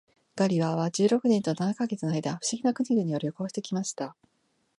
ガリバーは十六年と七ヵ月の間、不思議な国々を旅行して来ました。